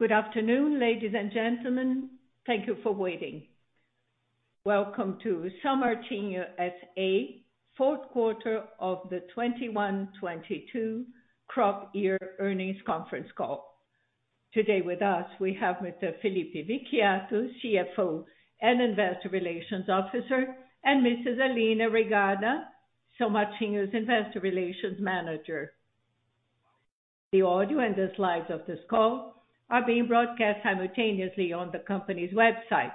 Good afternoon, ladies, and gentlemen. Thank you for waiting. Welcome to São Martinho S.A. Fourth Quarter of the 2021-2022 Crop Year Earnings Conference Call. Today with us, we have Mr. Felipe Vicchiato, CFO and Investor Relations Officer, and Mrs. Aline Reigada, São Martinho's Investor Relations Manager. The audio and the slides of this call are being broadcast simultaneously on the company's website,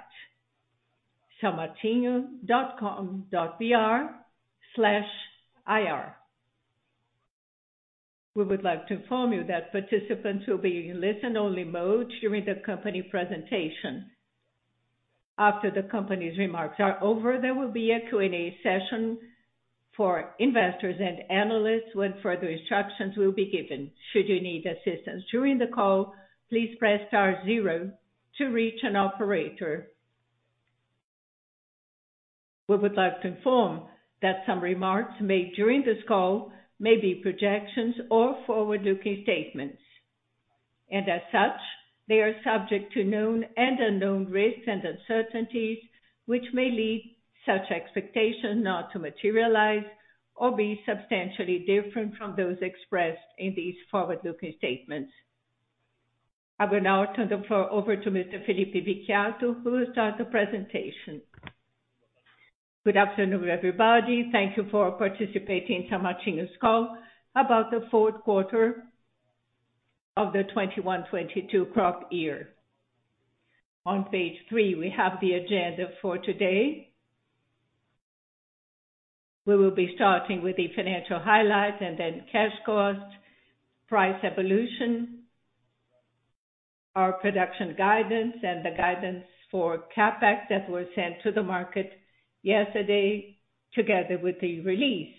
saomartinho.com.br/ir. We would like to inform you that participants will be in listen-only mode during the company presentation. After the company's remarks are over, there will be a Q&A session for investors and analysts, when further instructions will be given. Should you need assistance during the call, please press star zero to reach an operator. We would like to inform that some remarks made during this call may be projections or forward-looking statements. As such, they are subject to known and unknown risks and uncertainties which may lead such expectations not to materialize or be substantially different from those expressed in these forward-looking statements. I will now turn the floor over to Mr. Felipe Vicchiato who will start the presentation. Good afternoon, everybody. Thank you for participating in São Martinho's call about the fourth quarter of the 2021-2022 crop year. On page three, we have the agenda for today. We will be starting with the financial highlights and then cash cost, price evolution, our production guidance, and the guidance for CapEx that was sent to the market yesterday together with the release.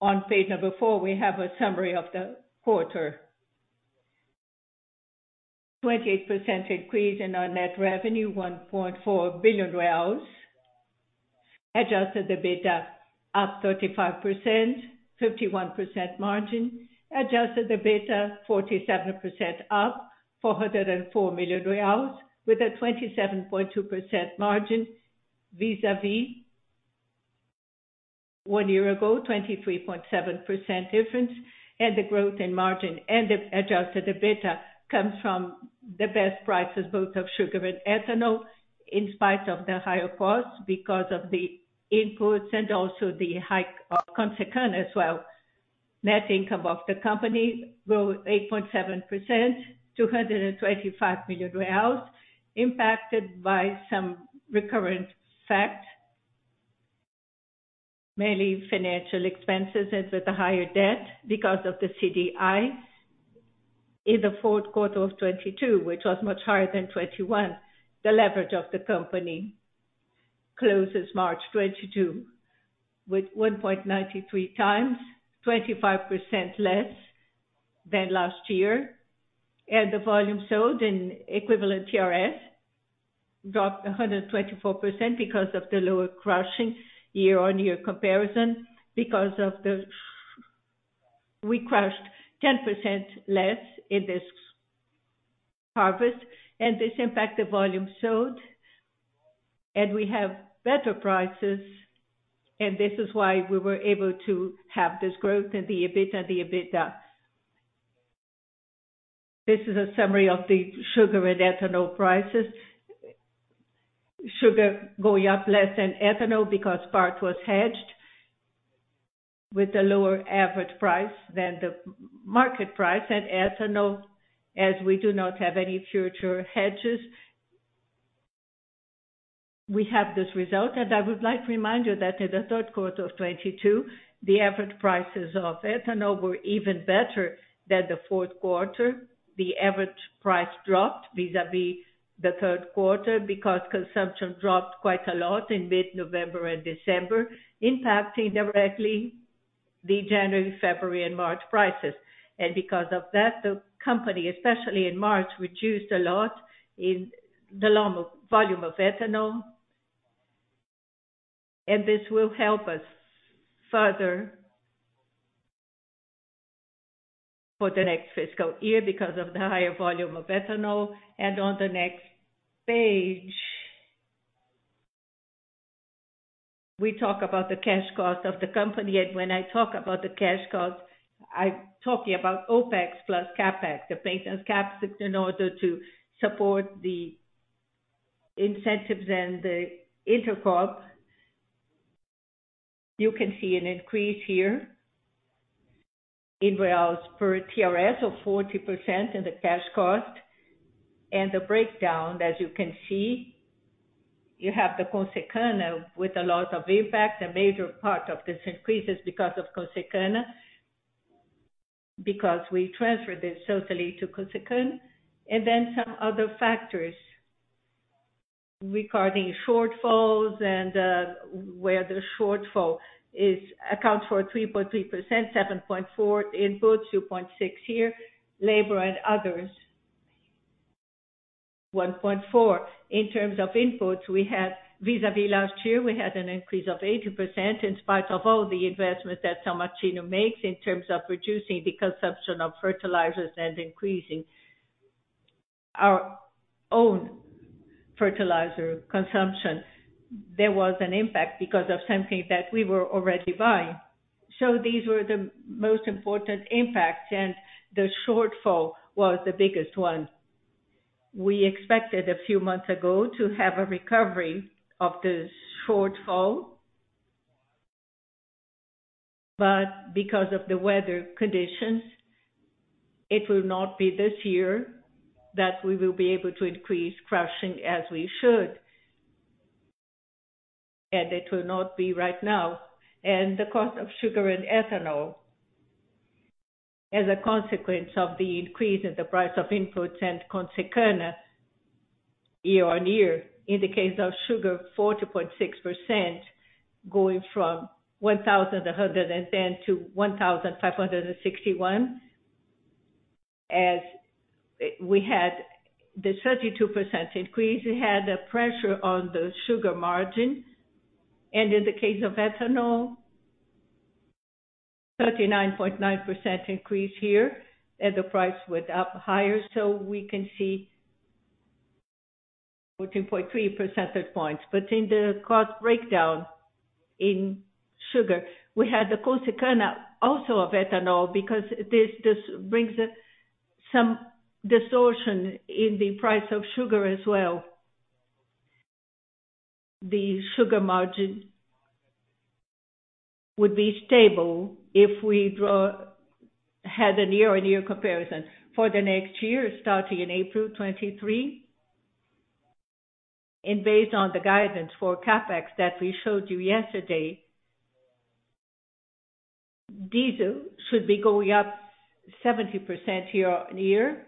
On page number four, we have a summary of the quarter, 28% increase in our net revenue, BRL 1.4 billion, adjusted EBITDA up 35%, 51% margin. Adjusted EBITDA 47% up, BRL 404 million with a 27.2% margin vis-à-vis one year ago, 23.7% difference. The growth in margin and the adjusted EBITDA comes from the best prices both of sugar and ethanol in spite of the higher costs because of the inputs and also the hike of Consecana as well. Net income of the company grew 8.7%, 225 million, impacted by some recurrent facts, mainly financial expenses and with the higher debt because of the CDI in the fourth quarter of 2022, which was much higher than 2021. The leverage of the company closes March 2022 with 1.93x, 25% less than last year, and the volume sold in equivalent TRS dropped 124% because of the lower crushing year-on-year comparison. We crushed 10% less in this harvest and this impacted volume sold. We have better prices and this is why we were able to have this growth in the EBITDA. This is a summary of the sugar and ethanol prices. Sugar going up less than ethanol because part was hedged with a lower average price than the market price, and Ethanol, as we do not have any future hedges, we have this result. I would like to remind you that in the third quarter of 2022 the average prices of ethanol were even better than the fourth quarter. The average price dropped vis-à-vis the third quarter because consumption dropped quite a lot in mid-November and December impacting directly the January, February, and March prices. Because of that, the company, especially in March, reduced a lot in the volume of ethanol. This will help us further for the next fiscal year because of the higher volume of ethanol. On the next page, we talk about the cash cost of the company. When I talk about the cash cost, I'm talking about OpEx plus CapEx, the maintenance CapEx, in order to support the incentives and the intercrop. You can see an increase here in Brazilian Real per TRS of 40% in the cash cost. The breakdown, as you can see, you have the Consecana with a lot of impact. A major part of this increase is because of Consecana, because we transferred this totally to Consecana. Some other factors regarding shortfalls and where the shortfall accounts for 3.3%, 7.4 inputs, 2.6% here, labor and others, 1.4%. In terms of inputs, we had vis-a-vis last year, we had an increase of 80% in spite of all the investments that São Martinho makes in terms of reducing the consumption of fertilizers and increasing our own fertilizer consumption. There was an impact because of something that we were already buying. These were the most important impacts, and the shortfall was the biggest one. We expected a few months ago to have a recovery of this shortfall, but because of the weather conditions, it will not be this year that we will be able to increase crushing as we should. It will not be right now. The cost of sugar and ethanol as a consequence of the increase in the price of inputs and Consecana year-on-year, in the case of sugar, 40.6%, going from 1,110 to 1,561. As we had the 32% increase, we had a pressure on the sugar margin. In the case of ethanol, 39.9% increase here, and the price went up higher, so we can see 14.3 percentage points. In the cost breakdown in sugar, we had the Consecana also of ethanol because this brings some distortion in the price of sugar as well. The sugar margin would be stable if we had a year-on-year comparison for the next year starting in April 2023. Based on the guidance for CapEx that we showed you yesterday, diesel should be going up 70% year-on-year,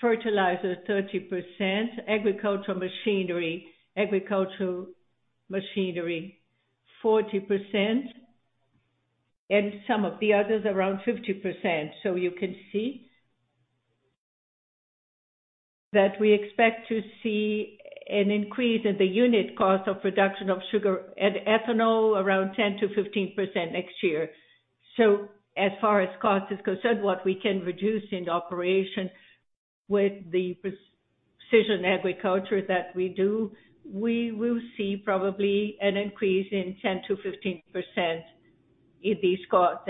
fertilizer 30%, agricultural machinery 40%, and some of the others around 50%. You can see that we expect to see an increase in the unit cost of production of sugar and ethanol around 10% to 15% next year. As far as cost is concerned, what we can reduce in operation with the precision agriculture that we do, we will see probably an increase in 10% to 15% in these costs.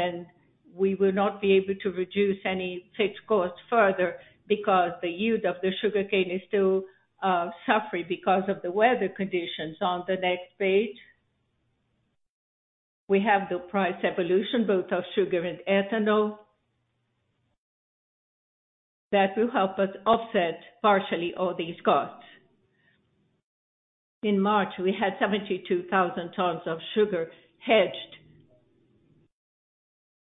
We will not be able to reduce any fixed cost further because the yield of the sugarcane is still suffering because of the weather conditions. On the next page, we have the price evolution both of sugar and ethanol. That will help us offset partially all these costs. In March, we had 72,000 tons of sugar hedged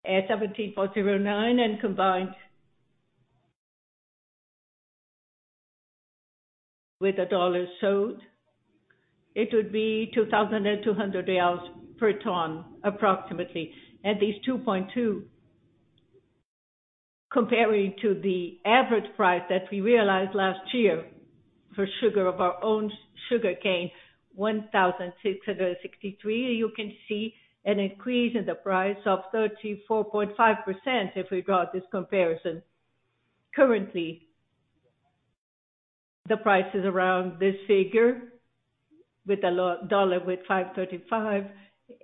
at 17.09 and combined with the dollars sold, it would be 2,200 reais per ton, approximately. These 2.2 Comparing to the average price that we realized last year for sugar of our own sugarcane, 1,663. You can see an increase in the price of 34.5% if we draw this comparison. Currently, the price is around this figure with the USD at 5.35,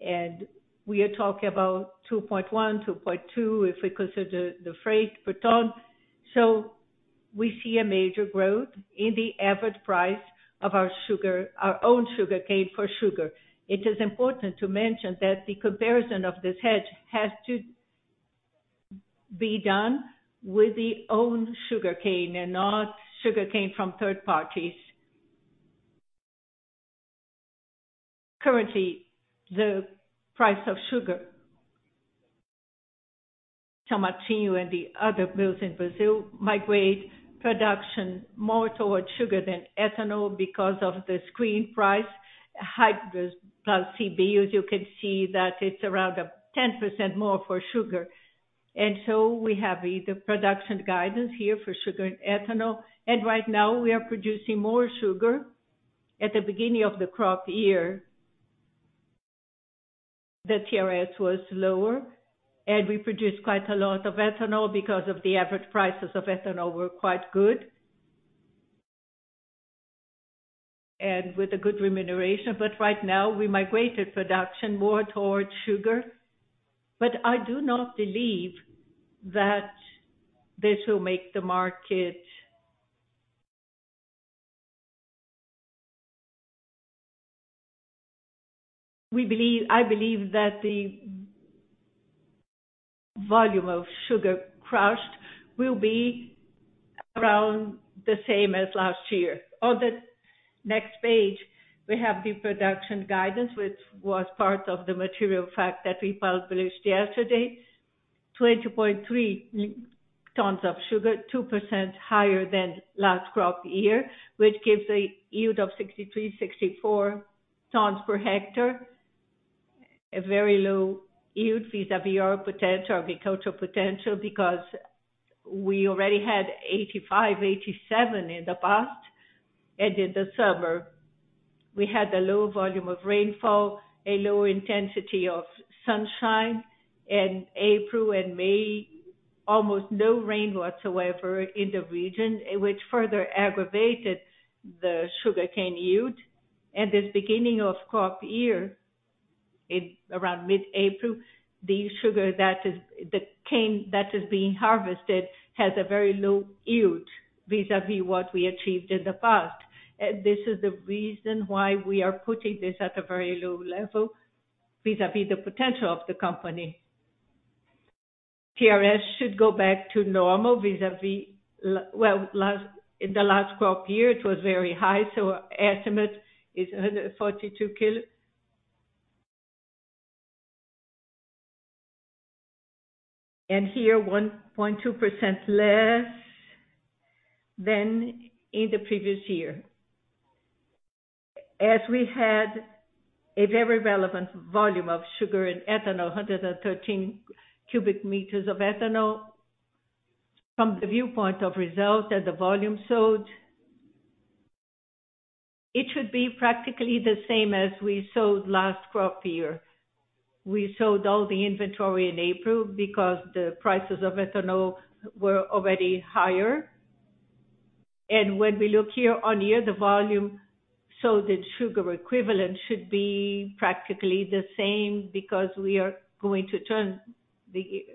and we are talking about 2.1-2.2, if we consider the freight per ton. We see a major growth in the average price of our own sugarcane for sugar. It is important to mention that the comparison of this hedge has to be done with our own sugarcane and not sugarcane from third parties. Currently, the price of sugar, São Martinho and the other mills in Brazil migrate production more towards sugar than ethanol because of the screen price. Hydrous plus CBIOs, you can see that it's around 10% more for sugar, and so we have the production guidance here for sugar and ethanol. Right now we are producing more sugar. At the beginning of the crop year, the TRS was lower, and we produced quite a lot of ethanol because of the average prices of ethanol were quite good and with a good remuneration. Right now, we migrated production more towards sugar. I do not believe that this will make the market. I believe that the volume of sugar crushed will be around the same as last year. On the next page, we have the production guidance, which was part of the material fact that we published yesterday, 20.3 tons of sugar, 2% higher than last crop year, which gives a yield of 63 tons-64 tons per hectare. A very low yield vis-a-vis our potential, agricultural potential, because we already had 85 tons-87 tons in the past. In the summer we had a low volume of rainfall, a low intensity of sunshine. In April and May, almost no rain whatsoever in the region, which further aggravated the sugarcane yield. This beginning of crop year, in around mid-April, the cane that is being harvested has a very low yield, vis-a-vis what we achieved in the past. This is the reason why we are putting this at a very low level, vis-a-vis the potential of the company. TRS should go back to normal, vis-a-vis, in the last crop year, it was very high, so estimate is 142 kilos. Here 1.2% less than in the previous year, as we had a very relevant volume of sugar and ethanol, 113 cubic meters of ethanol. From the viewpoint of results and the volume sold, it should be practically the same as we sold last crop year. We sold all the inventory in April because the prices of ethanol were already higher. When we look year on year, the volume sold in sugar equivalent should be practically the same because we are going to turn the year.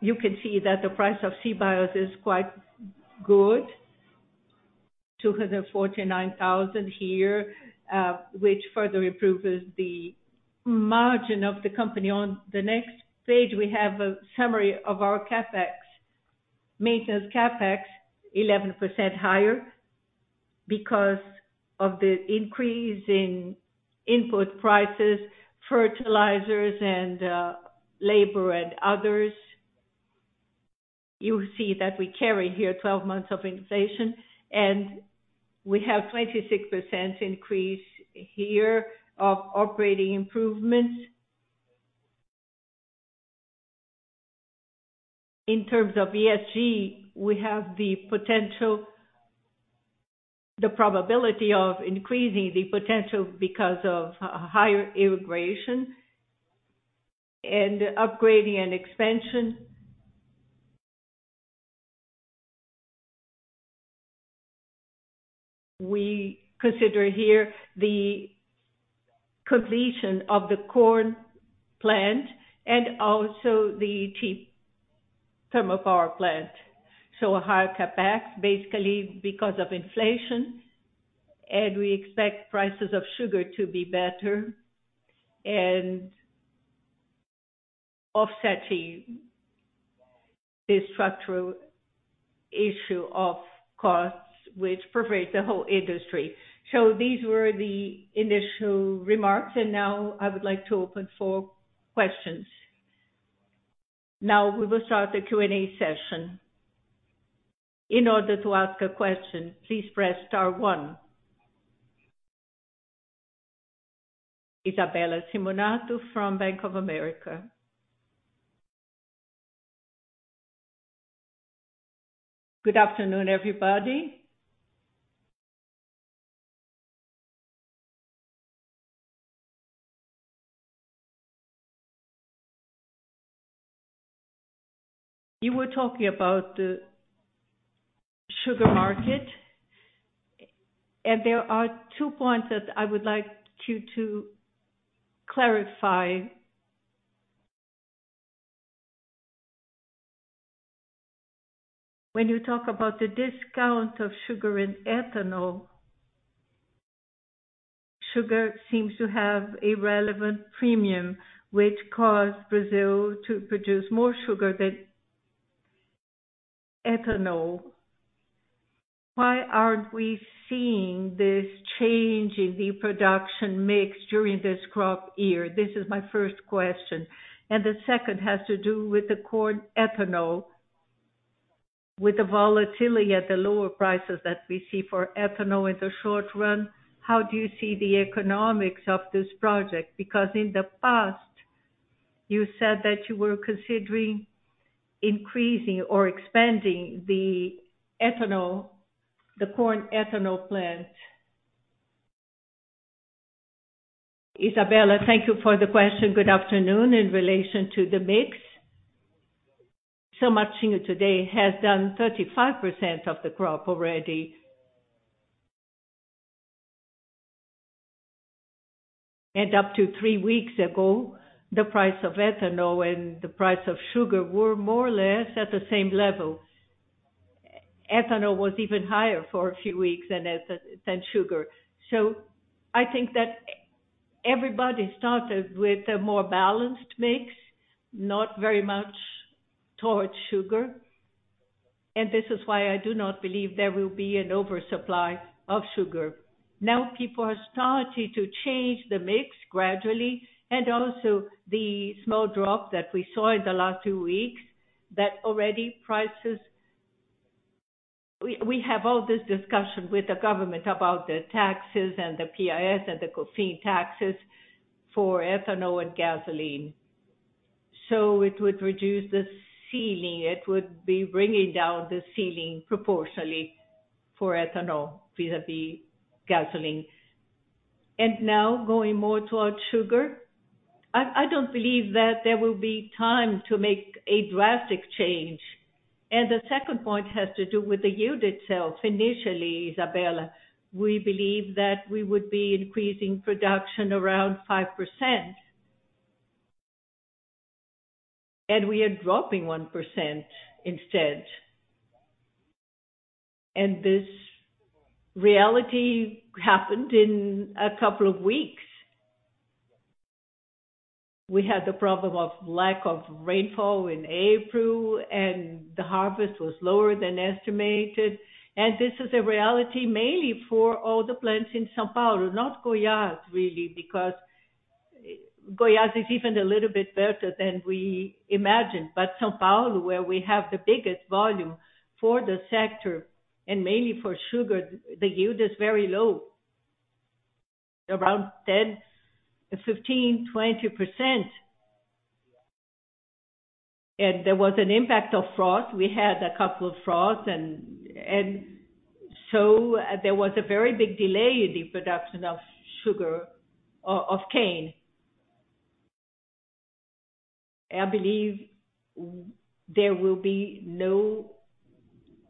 You can see that the price of CBIOs is quite good, 249,000 here, which further improves the margin of the company. On the next page, we have a summary of our CapEx. Maintenance CapEx, 11% higher, because of the increase in input prices, fertilizers and labor and others. You see that we carry here 12 months of inflation and we have 26% increase here of operating improvements. In terms of ESG, we have the potential, the probability of increasing the potential because of higher irrigation, and upgrading and expansion. We consider here the completion of the corn plant and also the thermal power plant. A higher CapEx basically because of inflation. We expect prices of sugar to be better and offsetting the structural issue of costs, which pervades the whole industry. These were the initial remarks and now I would like to open for questions. Now we will start the Q&A session. In order to ask a question, please press star one. Isabella Simonato from Bank of America. Good afternoon, everybody. You were talking about the sugar market and there are two points that I would like you to clarify. When you talk about the discount of sugar and ethanol? Sugar seems to have a relevant premium, which caused Brazil to produce more sugar than ethanol. Why aren't we seeing this change in the production mix during this crop year? This is my first question. The second has to do with the corn ethanol, with the volatility at the lower prices that we see for ethanol in the short run, how do you see the economics of this project? Because in the past you said that you were considering increasing or expanding the corn ethanol plant. Isabella, thank you for the question. Good afternoon. In relation to the mix, São Martinho today has done 35% of the crop already, and up to three weeks ago, the price of ethanol and the price of sugar were more or less at the same level. Ethanol was even higher for a few weeks than sugar. I think that everybody started with a more balanced mix, not very much towards sugar. This is why I do not believe there will be an oversupply of sugar. Now people are starting to change the mix gradually, and also the small drop that we saw in the last two weeks, that already prices. We have all this discussion with the government about the taxes and the PIS and COFINS taxes for ethanol and gasoline. It would reduce the ceiling. It would be bringing down the ceiling proportionally for ethanol, vis-à-vis gasoline. Now going more towards sugar, I don't believe that there will be time to make a drastic change. The second point has to do with the yield itself. Initially, Isabella, we believe that we would be increasing production around 5%. We are dropping 1% instead. This reality happened in a couple of weeks. We had the problem of lack of rainfall in April and the harvest was lower than estimated. This is a reality mainly for all the plants in São Paulo, not Goiás, really, because Goiás is even a little bit better than we imagined. São Paulo, where we have the biggest volume for the sector and mainly for sugar, the yield is very low, around 10%, 15%, 20%, and there was an impact of frost. We had a couple of frost so there was a very big delay in the production of cane. I believe there will be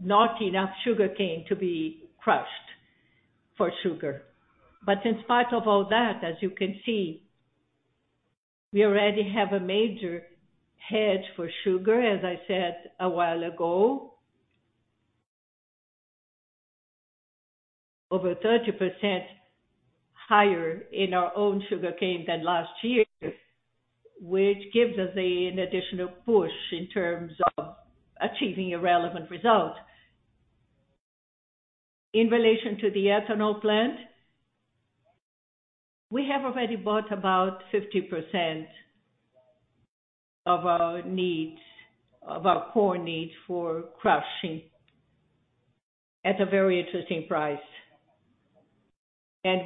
not enough sugarcane to be crushed for sugar. In spite of all that, as you can see, we already have a major hedge for sugar, as I said a while ago. Over 30% higher in our own sugarcane than last year, which gives us an additional push in terms of achieving a relevant result. In relation to the ethanol plant, we have already bought about 50% of our needs, of our core needs for crushing at a very interesting price.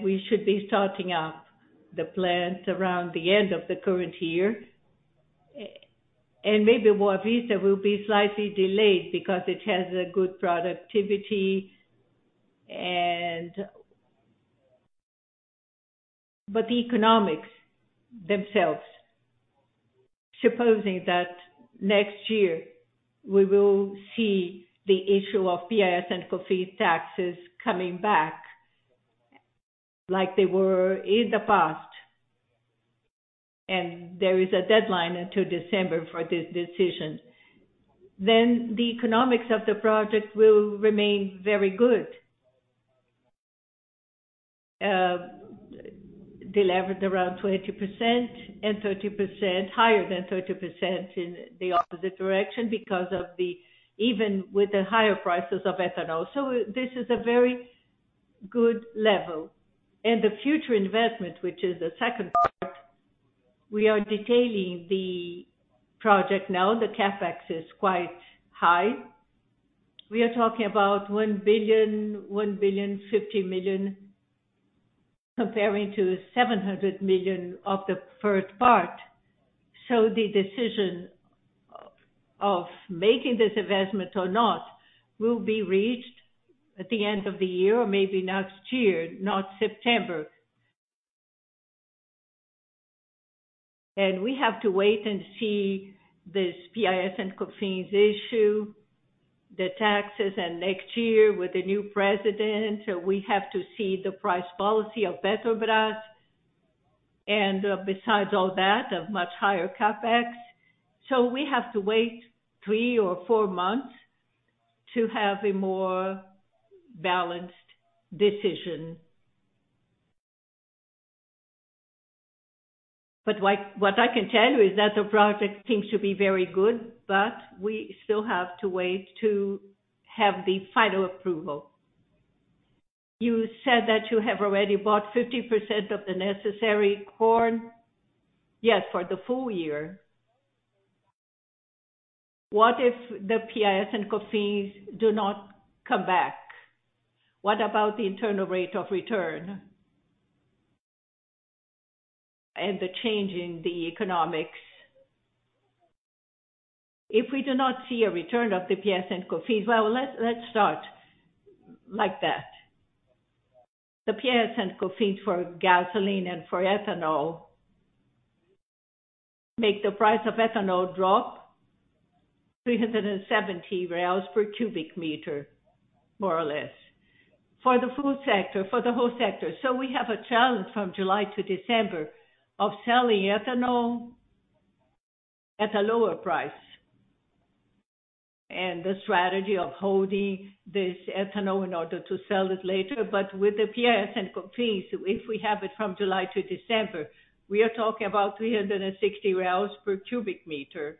We should be starting up the plant around the end of the current year. And maybe Boa Vista will be slightly delayed because it has a good productivity. The economics themselves, supposing that next year we will see the issue of PIS and COFINS taxes coming back like they were in the past, and there is a deadline until December for this decision. The economics of the project will remain very good, delevered around 20% and 30%, higher than 30% in the opposite direction even with the higher prices of ethanol. This is a very good level. The future investment, which is the second part, we are detailing the project now. The CapEx is quite high. We are talking about 1 billion, 1.05 billion, comparing to 700 million of the first part. The decision of making this investment or not will be reached at the end of the year or maybe next year, not September. We have to wait and see this PIS and COFINS issue, the taxes, and next year with the new president. We have to see the price policy of Petrobras, and besides all that, a much higher CapEx. We have to wait three or four months to have a more balanced decision. What I can tell you is that the project seems to be very good but we still have to wait to have the final approval. You said that you have already bought 50% of the necessary corn. Yes, for the full year. What if the PIS and COFINS do not come back? What about the internal rate of return and the change in the economics? If we do not see a return of the PIS and COFINS, well, let's start like that. The PIS and COFINS for gasoline and for ethanol make the price of ethanol drop 370 per cubic meter, more or less. For the food sector, for the whole sector. We have a challenge from July to December of selling ethanol at a lower price. The strategy of holding this ethanol in order to sell it later. With the PIS and COFINS, if we have it from July to December, we are talking about 360 per cubic meter.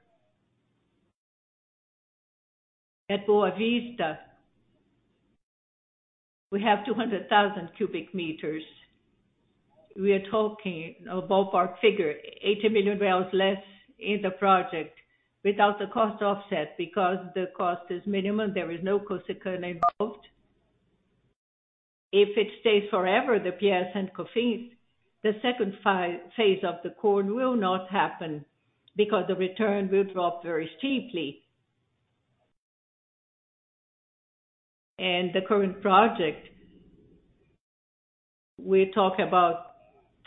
At Boa Vista, we have 200,000 cubic meters. We are talking a ballpark figure, 80 million less in the project without the cost offset because the cost is minimum. There is no cost recovery involved. If it stays forever, the PIS and COFINS, the second phase of the corn will not happen because the return will drop very steeply. The current project, we talk about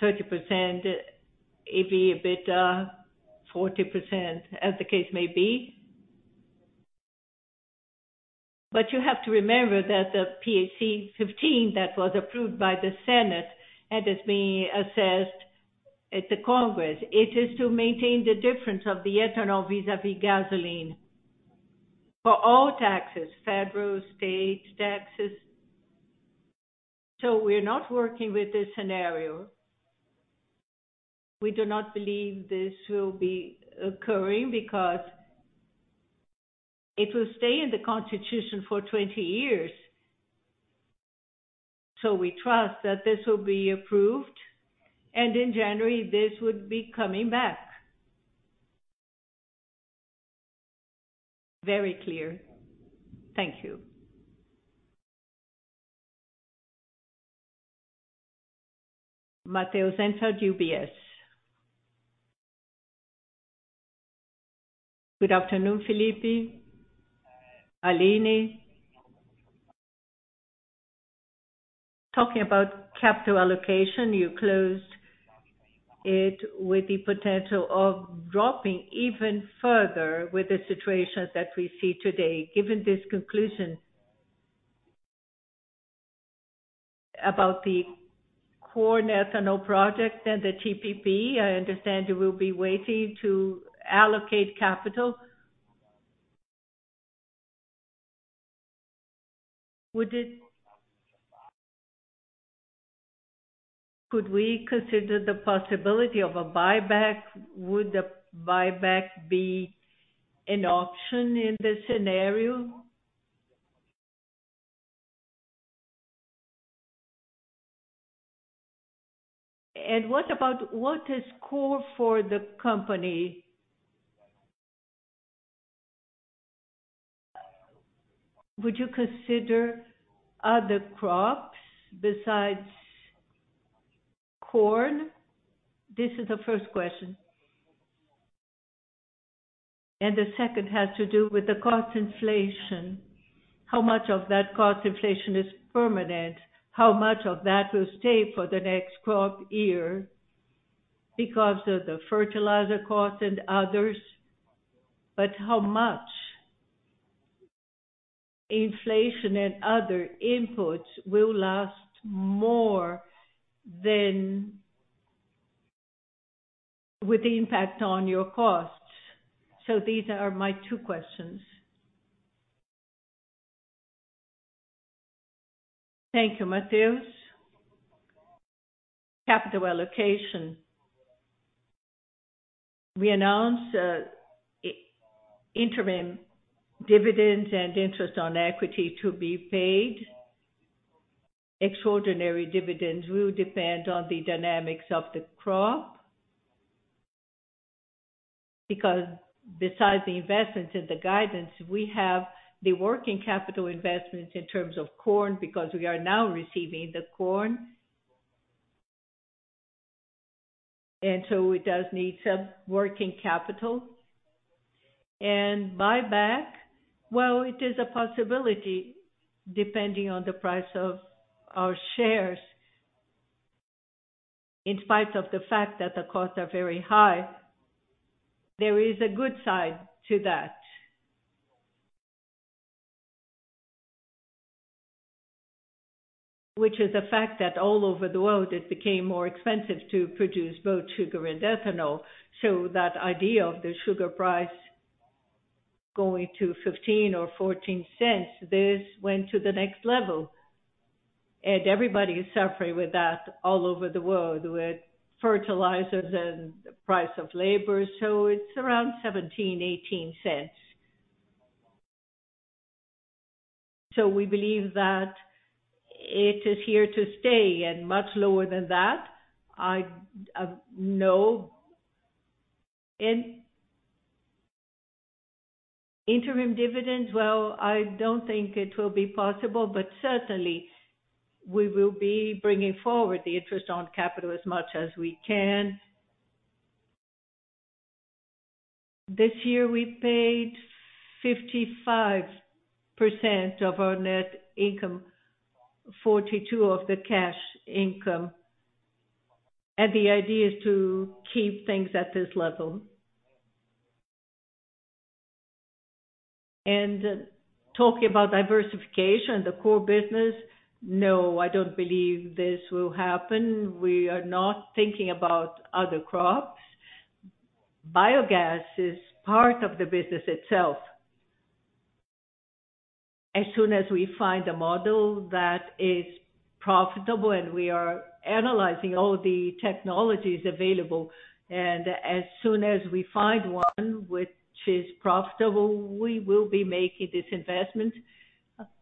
30% EBITDA, 40% EBITDA, as the case may be. You have to remember that the PEC 15 that was approved by the Senate and is being assessed at the Congress, it is to maintain the difference of the ethanol vis-a-vis gasoline for all taxes, federal, state taxes. We're not working with this scenario. We do not believe this will be occurring because it will stay in the constitution for 20 years. We trust that this will be approved, and in January, this would be coming back. Very clear. Thank you. Matheus Enfeldt, UBS. Good afternoon, Felipe. Aline. Talking about capital allocation, you closed it with the potential of dropping even further with the situation that we see today. Given this conclusion about the corn ethanol project and the TPP, I understand you will be waiting to allocate capital. Could we consider the possibility of a buyback? Would the buyback be an option in this scenario? What is core for the company? Would you consider other crops besides corn? This is the first question and the second has to do with the cost inflation. How much of that cost inflation is permanent? How much of that will stay for the next crop year because of the fertilizer costs and others? How much inflation and other inputs will last more than with the impact on your costs? These are my two questions. Thank you, Matheus. Capital allocation, we announced interim dividends and interest on equity to be paid. Extraordinary dividends will depend on the dynamics of the crop. Because besides the investments and the guidance, we have the working capital investments in terms of corn, because we are now receiving the corn. It does need some working capital. Buyback, well, it is a possibility depending on the price of our shares. In spite of the fact that the costs are very high, there is a good side to that, which is the fact that all over the world, it became more expensive to produce both sugar and ethanol. That idea of the sugar price going to $0.15 or $0.14, this went to the next level. Everybody is suffering with that all over the world, with fertilizers and price of labor. It's around $0.17-$0.18. We believe that it is here to stay, and much lower than that, I know. Interim dividends, well, I don't think it will be possible, but certainly, we will be bringing forward the interest on capital as much as we can. This year, we paid 55% of our net income, 42% of the cash income, and the idea is to keep things at this level. Talking about diversification, the core business, no, I don't believe this will happen. We are not thinking about other crops. Biogas is part of the business itself. As soon as we find a model that is profitable and we are analyzing all the technologies available. As soon as we find one which is profitable, we will be making this investment,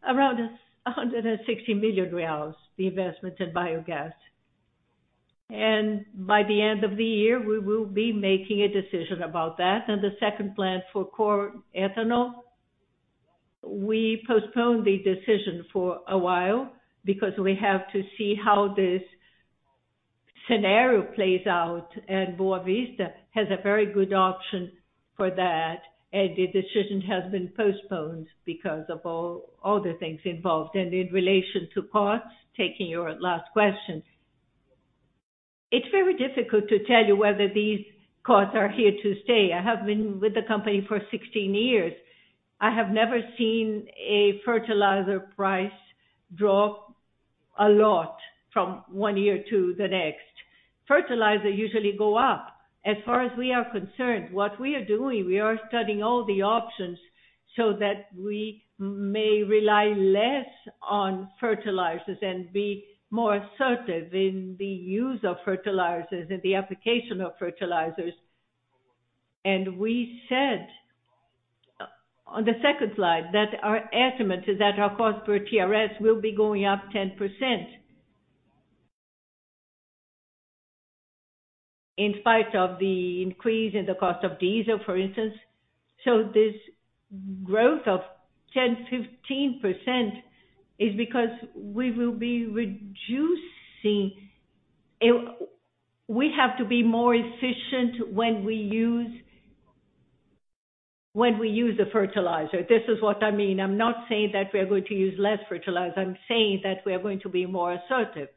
around 160 million reais, the investment in Biogas. By the end of the year, we will be making a decision about that. The second plant for corn ethanol, we postponed the decision for a while because we have to see how this scenario plays out. Boa Vista has a very good option for that, and the decision has been postponed because of all the things involved. In relation to costs, taking your last question, it's very difficult to tell you whether these costs are here to stay. I have been with the company for 16 years. I have never seen a fertilizer price drop a lot from one year to the next. Fertilizer usually go up. As far as we are concerned, what we are doing, we are studying all the options so that we may rely less on fertilizers and be more assertive in the use of fertilizers and the application of fertilizers. We said on the second slide that our estimate is that our cost per TRS will be going up 10% in spite of the increase in the cost of diesel, for instance. This growth of 10%-15% is because we will be reducing. We have to be more efficient when we use the fertilizer, this is what I mean. I'm not saying that we are going to use less fertilizer. I'm saying that we are going to be more assertive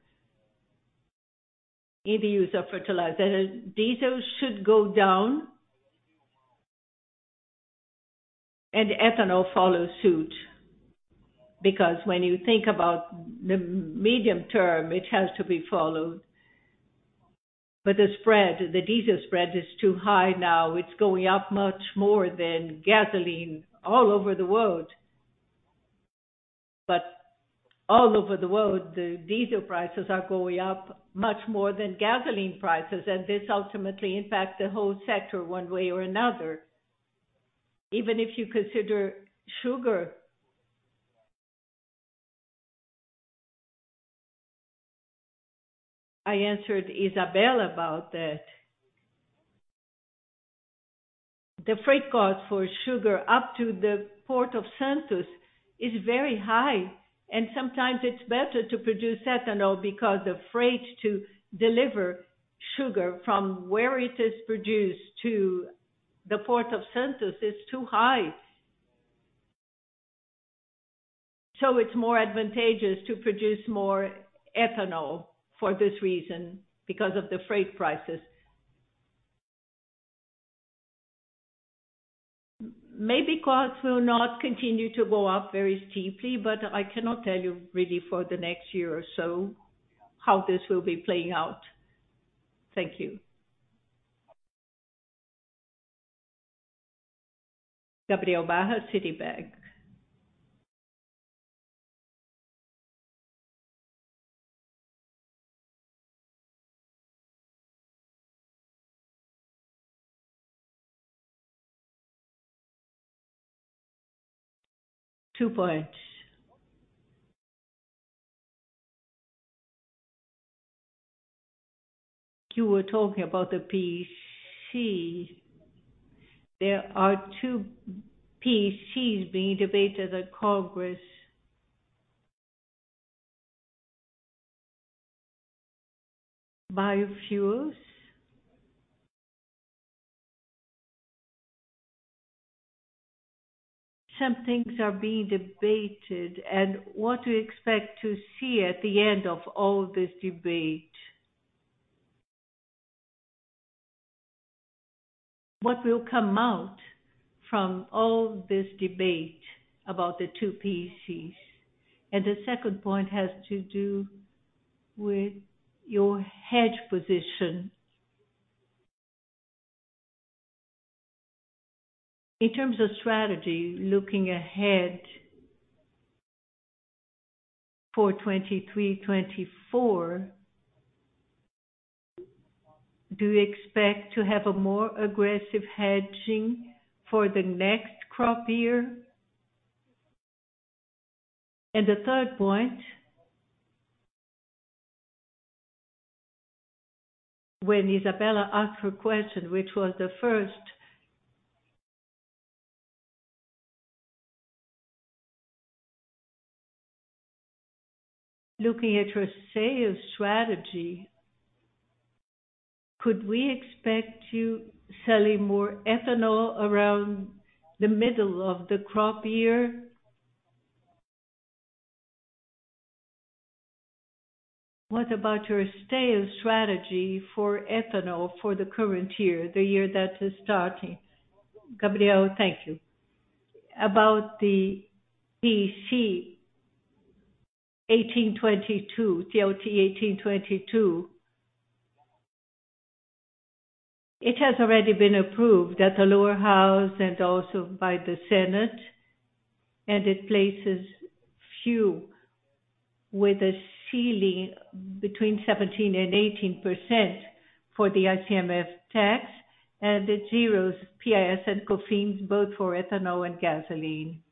in the use of fertilizer. Diesel should go down and ethanol follow suit, because when you think about the medium term, it has to be followed. The spread, the diesel spread is too high now. It's going up much more than gasoline all over the world. All over the world, the diesel prices are going up much more than gasoline prices. This ultimately impacts the whole sector one way or another. Even if you consider sugar. I answered Isabella about that. The freight cost for sugar up to the Port of Santos is very high, and sometimes it's better to produce ethanol because the freight to deliver sugar from where it is produced to the Port of Santos is too high. It's more advantageous to produce more ethanol for this reason, because of the freight prices. Maybe costs will not continue to go up very steeply, but I cannot tell you really for the next year or so how this will be playing out. Thank you. Gabriel Barra, Citibank. Two points, you were talking about the PEC. There are two PECs being debated at Congress, biofuels, some things are being debated. What do you expect to see at the end of all this debate? What will come out from all this debate about the two PECs? The second point has to do with your hedge position. In terms of strategy, looking ahead for 2023, 2024, do you expect to have a more aggressive hedging for the next crop year? The third point, when Isabella asked her question, which was the first. Looking at your sales strategy, could we expect you selling more ethanol around the middle of the crop year? What about your sales strategy for ethanol for the current year, the year that is starting? Gabriel, thank you. About the PEC 18/2022, it has already been approved at the lower house and also by the Senate, and it places fuels with a ceiling between 17% and18% for the ICMS tax, and it zeroes PIS and COFINS both for ethanol and gasoline,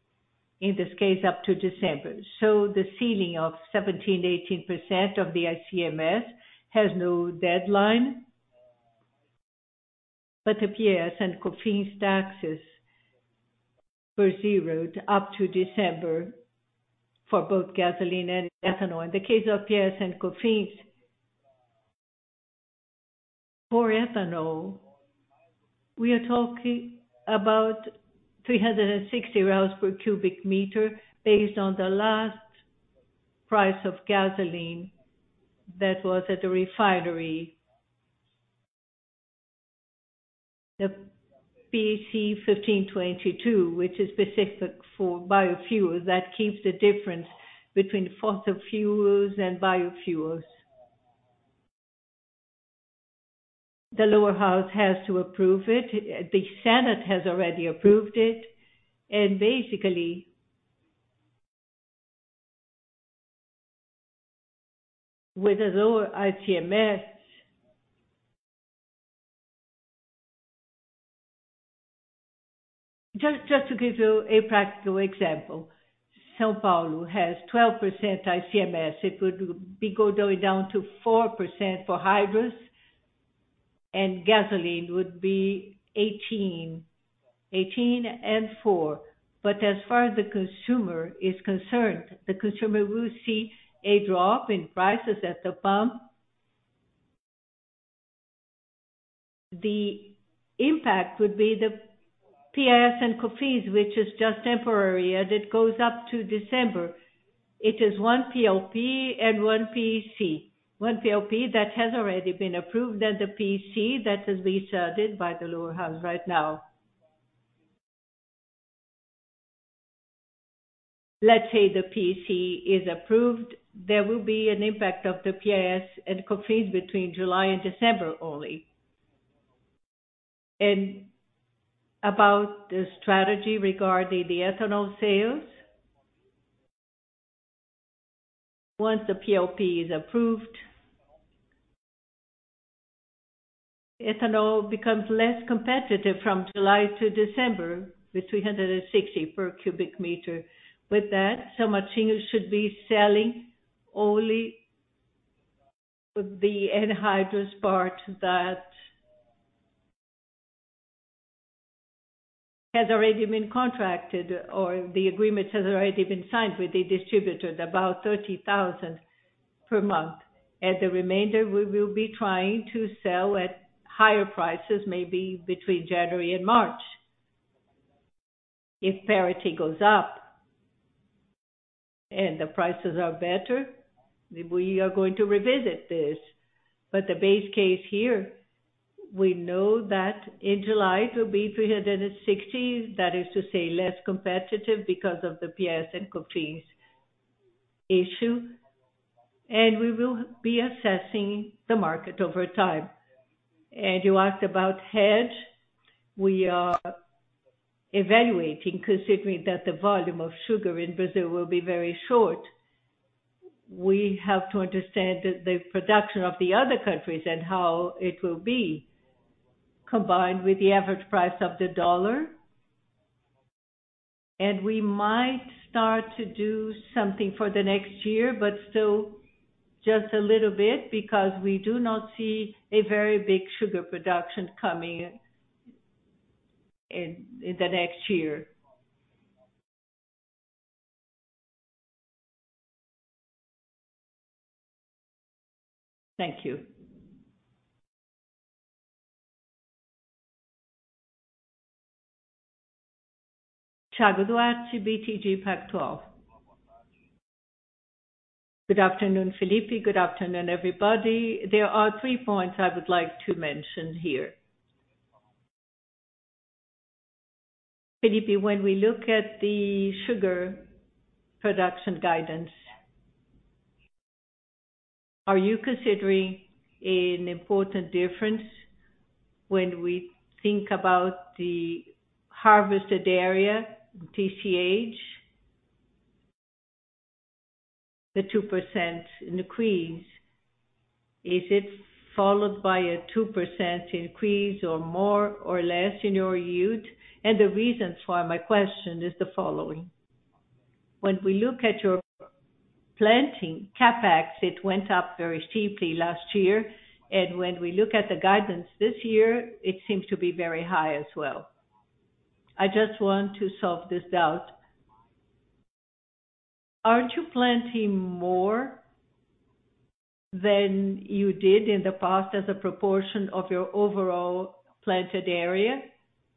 in this case, up to December. The ceiling of 17%-18% of the ICMS has no deadline. The PIS and COFINS taxes were zeroed up to December for both gasoline and ethanol. In the case of PIS and COFINS, for ethanol, we are talking about 360 per cubic meter based on the last price of gasoline that was at the refinery. The PEC 15/2022, which is specific for biofuels, that keeps the difference between fossil fuels and biofuels. The Lower House has to approve it, the Senate has already approved it, and basically, with a lower ICMS. To give you a practical example, São Paulo has 12% ICMS. It would be going down to 4% for hydrous, and gasoline would be 18%, 18% and 4%. As far as the consumer is concerned, the consumer will see a drop in prices at the pump. The impact would be the PIS and COFINS, which is just temporary, and it goes up to December. It is one PLP and one PEC, one PLP that has already been approved, and the PEC that is being studied by the Lower House right now. Let's say the PEC is approved, there will be an impact of the PIS and COFINS between July and December only. About the strategy regarding the ethanol sales, once the PLP is approved, ethanol becomes less competitive from July to December with 360 per cubic meter. With that, São Martinho should be selling only the anhydrous part that has already been contracted or the agreements has already been signed with the distributor, about 30,000 per month. The remainder, we will be trying to sell at higher prices, maybe between January and March. If parity goes up and the prices are better, then we are going to revisit this. The base case here, we know that in July it will be 360. That is to say, less competitive because of the PIS and COFINS issue. We will be assessing the market over time. You asked about hedge. We are evaluating, considering that the volume of sugar in Brazil will be very short. We have to understand the production of the other countries, and how it will be, combined with the average price of the U.S. dollar. We might start to do something for the next year, but still just a little bit because we do not see a very big sugar production coming in the next year. Thank you. Thiago Duarte, BTG Pactual. Good afternoon, Felipe. Good afternoon, everybody. There are three points I would like to mention here. Felipe, when we look at the sugar production guidance, are you considering an important difference when we think about the harvested area, the TCH? The 2% increase, is it followed by a 2% increase or more or less in your yield? The reasons for my question is the following: When we look at your planting CapEx, it went up very steeply last year. When we look at the guidance this year, it seems to be very high as well. I just want to solve this doubt. Aren't you planting more than you did in the past as a proportion of your overall planted area?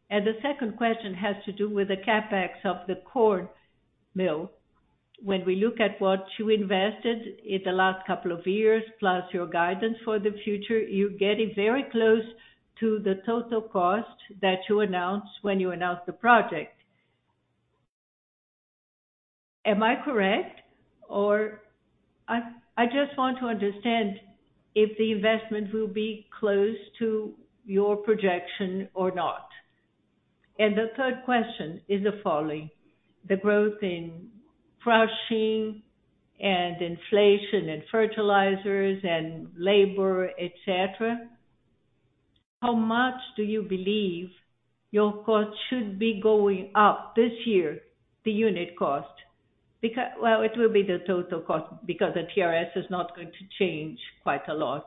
The second question has to do with the CapEx of the corn mill. When we look at what you invested in the last couple of years, plus your guidance for the future, you're getting very close to the total cost that you announced when you announced the project. Am I correct or I just want to understand if the investment will be close to your projection or not. The third question is the following: the growth in crushing and inflation in fertilizers, and labor, et cetera. How much do you believe your cost should be going up this year, the unit cost? Well, it will be the total cost because the TRS is not going to change quite a lot.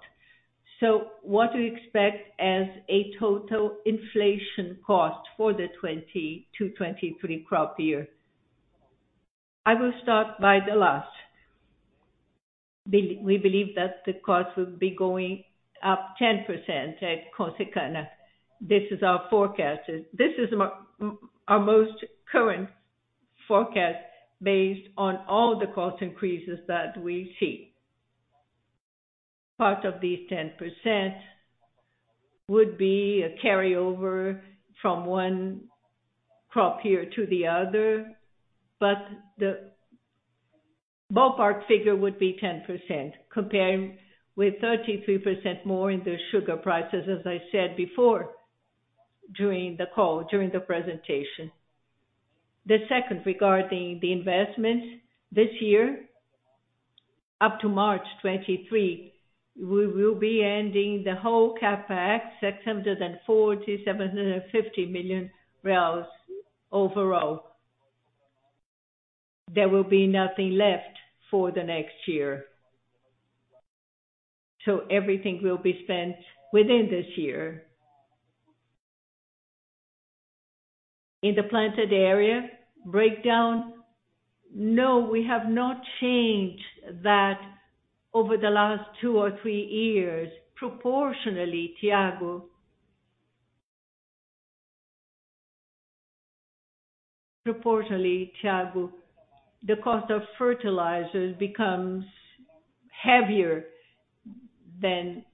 What do you expect as a total inflation cost for the 2020 to 2023 crop year? I will start by the last. We believe that the cost will be going up 10% at Consecana. This is our forecast. This is our most current forecast based on all the cost increases that we see. Part of the 10% would be a carryover from one crop year to the other, but the ballpark figure would be 10%, comparing with 33% more in the sugar prices, as I said before, during the call or during the presentation. The second regarding the investments. This year, up to March 2023, we will be ending the whole CapEx, 740 million-750 million overall. There will be nothing left for the next year. Everything will be spent within this year. In the planted area breakdown, no, we have not changed that over the last two or three years. Proportionally, Thiago, the cost of fertilizers becomes heavier than,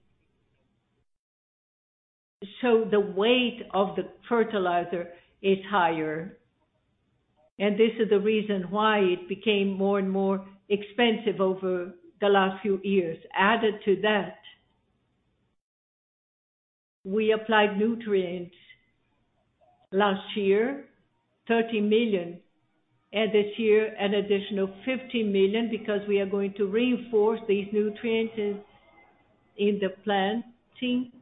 so the weight of the fertilizer is higher. This is the reason why it became more and more expensive over the last few years. Added to that, we applied nutrients last year, 30 million, and this year an additional 50 million, because we are going to reinforce these nutrients in the planting.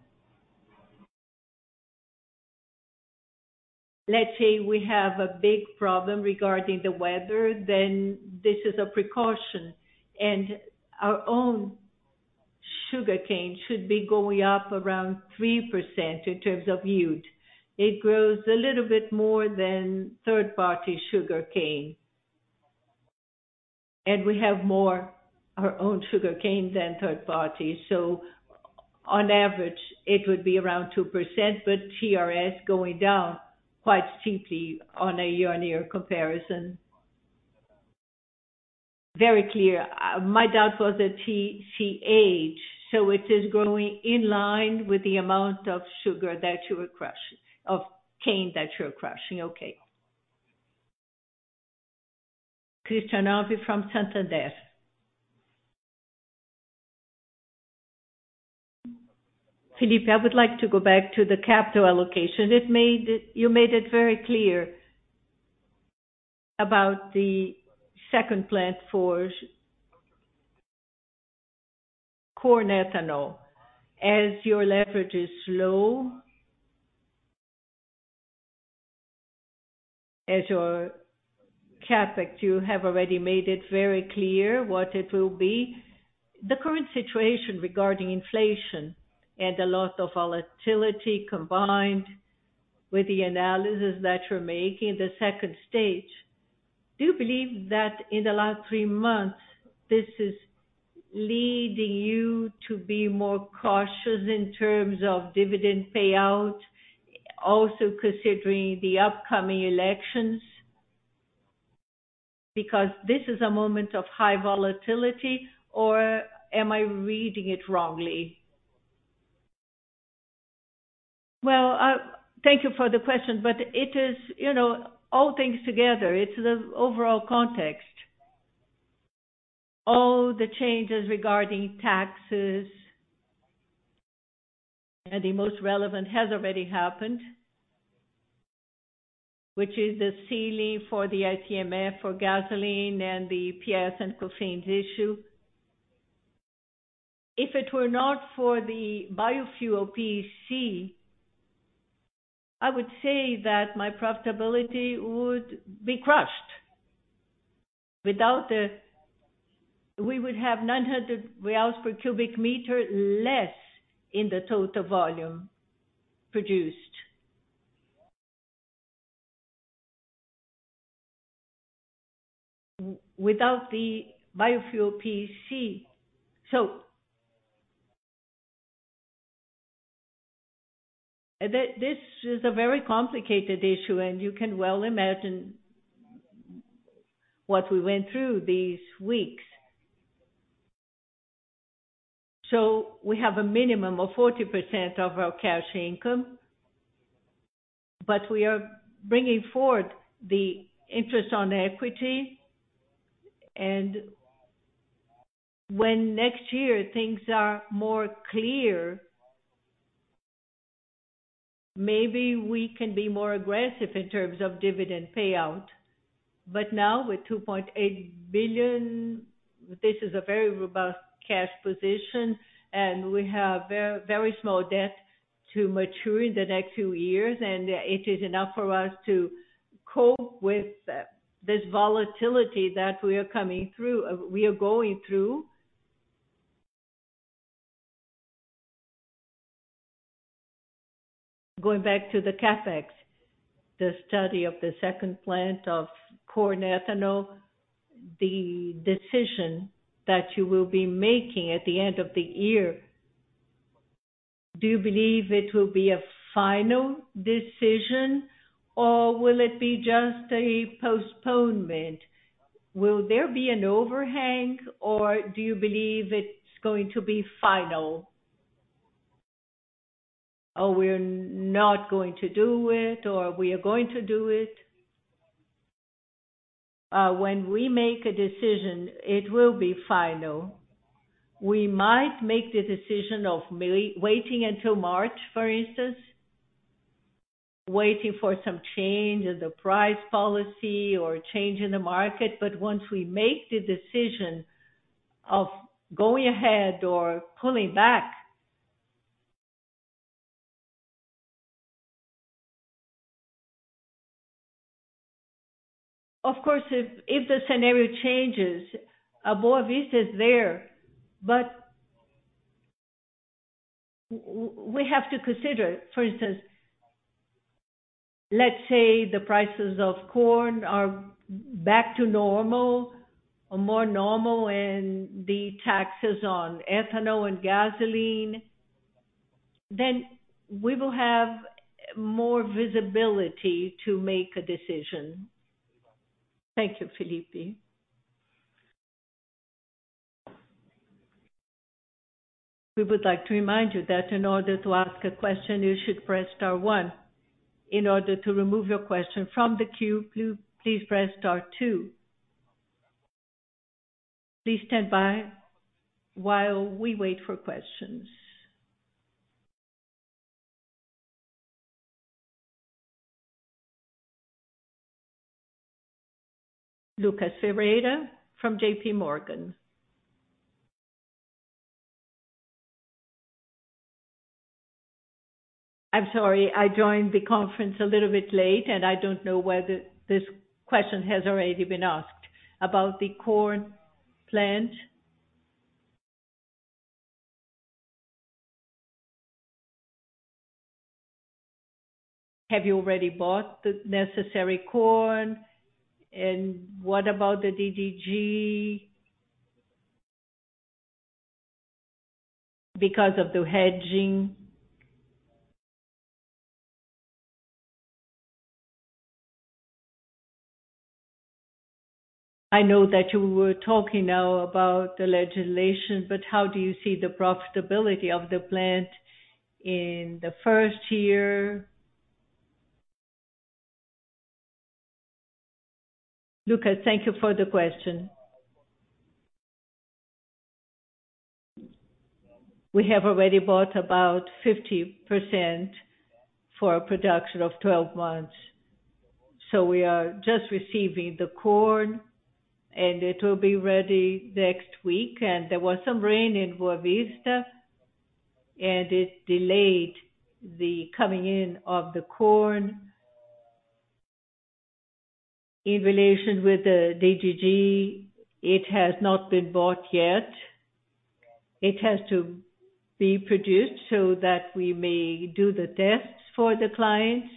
Let's say we have a big problem regarding the weather, then this is a precaution, and our own sugarcane should be going up around 3% in terms of yield. It grows a little bit more than third-party sugarcane. We have more our own sugarcane than third party. So on average it would be around 2%, but TRS going down quite steeply on a year-on-year comparison. Very clear. My doubt was the TCH so it is growing in line with the amount of cane that you're crushing, okay. Christian Audi from Santander. Felipe, I would like to go back to the capital allocation. You made it very clear about the second plant for corn ethanol. As your leverage is low, as your CapEx, you have already made it very clear what it will be. The current situation regarding inflation and a lot of volatility, combined with the analysis that you're making in the second stage, do you believe that in the last three months, this is leading you to be more cautious in terms of dividend payout, also considering the upcoming elections? Because this is a moment of high volatility or am I reading it wrongly? Well, thank you for the question, but it is, you know, all things together, it's the overall context. All the changes regarding taxes, and the most relevant has already happened, which is the ceiling for the ICMS for gasoline and the PIS/COFINS issue. If it were not for the biofuel PEC, I would say that my profitability would be crushed. We would have 900 reais per cubic meter less in the total volume produced, without the biofuel PEC. This is a very complicated issue and you can well imagine what we went through these weeks. We have a minimum of 40% of our cash income but we are bringing forward the interest on equity. When next year things are more clear, maybe we can be more aggressive in terms of dividend payout. Now with 2.8 billion, this is a very robust cash position, and we have very, very small debt to mature in the next two years. It is enough for us to cope with this volatility that we are going through. Going back to the CapEx, the study of the second plant of corn ethanol, the decision that you will be making at the end of the year, do you believe it will be a final decision or will it be just a postponement? Will there be an overhang or do you believe it's going to be final? We're not going to do it or we are going to do it. When we make a decision, it will be final. We might make the decision of waiting until March, for instance, waiting for some change in the price policy or change in the market. Once we make the decision of going ahead or pulling back, of course, if the scenario changes, Boa Vista is there. We have to consider, for instance, let's say the prices of corn are back to normal or more normal, and the taxes on ethanol and gasoline, then we will have more visibility to make a decision. Thank you, Felipe. We would like to remind you that in order to ask a question, you should press star one. In order to remove your question from the queue, please press star two. Please stand by while we wait for questions. Lucas Ferreira from J.P. Morgan. I'm sorry I joined the conference a little bit late, and I don't know whether this question has already been asked, about the corn plant. Have you already bought the necessary corn and what about the DDG, because of the hedging? I know that you were talking now about the legislation but how do you see the profitability of the plant in the first year? Lucas, thank you for the question. We have already bought about 50% for a production of 12 months. We are just receiving the corn and it will be ready next week. There was some rain in Boa Vista, and it delayed the coming in of the corn. In relation with the DDGS, it has not been bought yet. It has to be produced so that we may do the tests for the clients.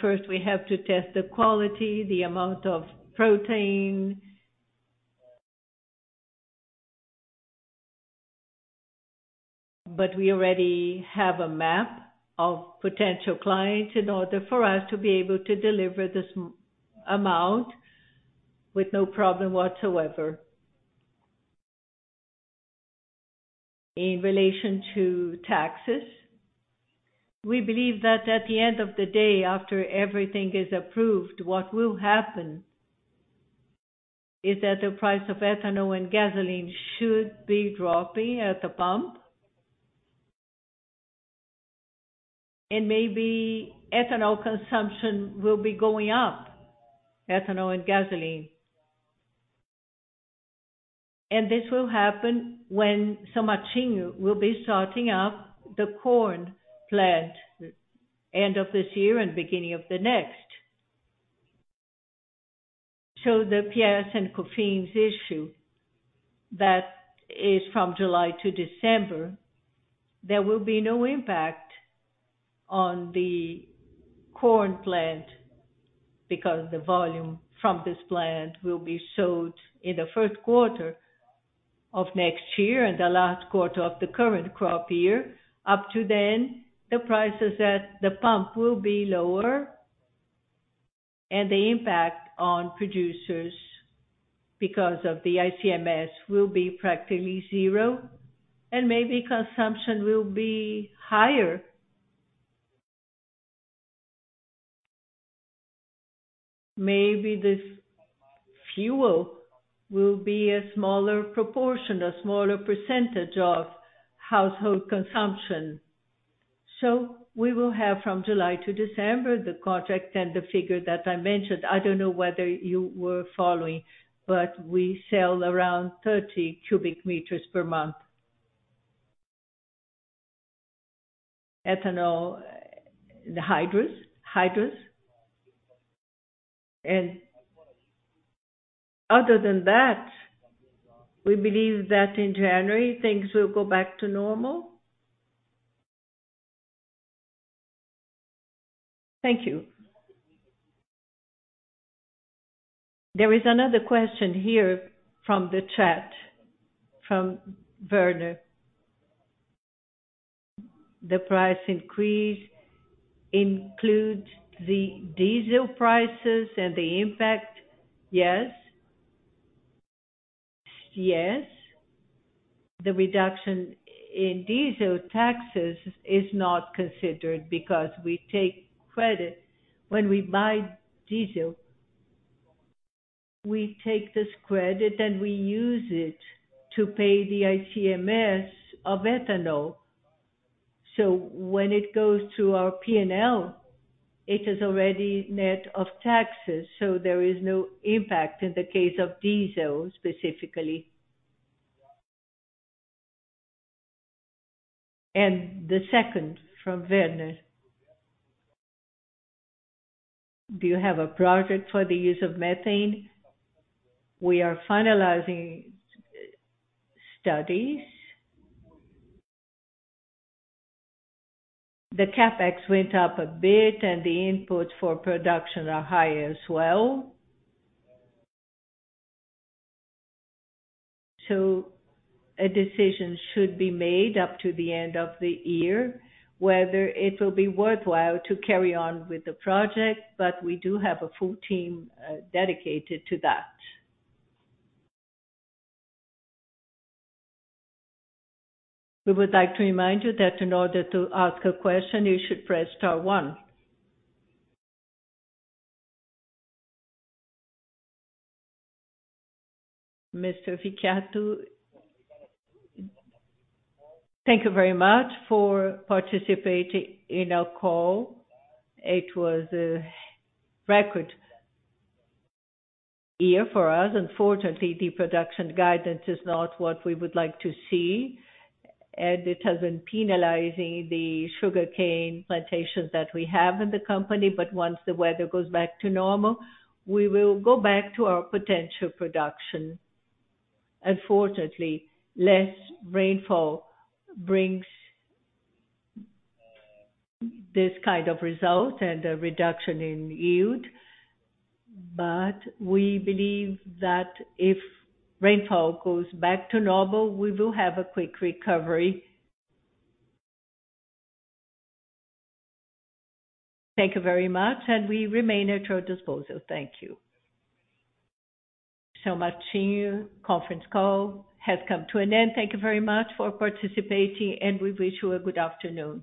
First we have to test the quality, the amount of protein. We already have a map of potential clients in order for us to be able to deliver this amount with no problem whatsoever. In relation to taxes, we believe that at the end of the day, after everything is approved, what will happen is that the price of ethanol and gasoline should be dropping at the pump. Maybe ethanol consumption will be going up, ethanol and gasoline. This will happen when São Martinho will be starting up the corn plant end of this year and beginning of the next. The PIS and COFINS issue, that is from July to December, there will be no impact on the corn plant because the volume from this plant will be sold in the first quarter of next year and the last quarter of the current crop year. Up to then, the prices at the pump will be lower. The impact on producers because of the ICMS will be practically zero and maybe consumption will be higher. Maybe this fuel will be a smaller proportion, a smaller percentage of household consumption. We will have from July to December, the contract and the figure that I mentioned. I don't know whether you were following, but we sell around 30 cubic meters per month, ethanol and hydrous. Other than that, we believe that in January things will go back to normal. Thank you. There is another question here from the chat from Werner. The price increase includes the diesel prices and the impact. Yes. Yes. The reduction in diesel taxes is not considered because we take credit when we buy diesel. We take this credit and we use it to pay the ICMS of ethanol. So when it goes to our P&L, it is already net of taxes so there is no impact in the case of diesel specifically. The second from Werner. Do you have a project for the use of methane? We are finalizing studies. The CapEx went up a bit and the input for production are high as well. A decision should be made up to the end of the year whether it will be worthwhile to carry on with the project. We do have a full team dedicated to that. We would like to remind you that in order to ask a question, you should press star one. Mr. Vicchiato. Thank you very much for participating in our call. It was a record year for us. Unfortunately, the production guidance is not what we would like to see, and it has been penalizing the sugarcane plantations that we have in the company. Once the weather goes back to normal, we will go back to our potential production. Unfortunately, less rainfall brings this kind of result and a reduction in yield. We believe that if rainfall goes back to normal, we will have a quick recovery. Thank you very much and we remain at your disposal. Thank you. São Martinho conference call has come to an end. Thank you very much for participating, and we wish you a good afternoon.